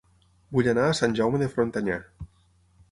Vull anar a Sant Jaume de Frontanyà